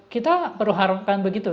kita berharapkan begitu